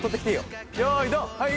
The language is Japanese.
はい。